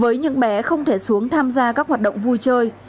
với những bé không thể xuống tham gia các hoạt động vui chơi